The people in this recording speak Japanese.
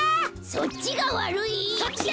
そっちがわるい！